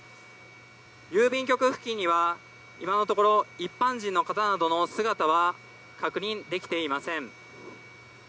郵便局付近には今のところ一般人の方などの姿は確認できていません。